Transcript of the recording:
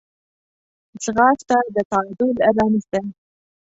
ځغاسته د تعادل رمز دی